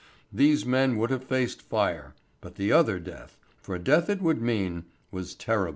These men would have faced fire, but the other death, for death it would mean, was terrible.